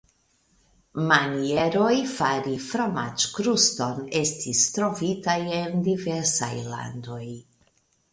Manieroj fari fromaĝkruston estis trovitaj en diversaj landoj.